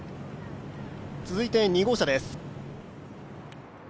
続いて２号車です。